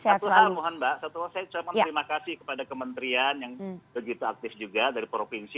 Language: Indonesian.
satu hal mohon mbak satu saya cuma terima kasih kepada kementerian yang begitu aktif juga dari provinsi